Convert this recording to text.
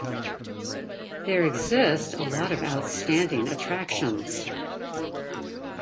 There exist a lot of outstanding attractions.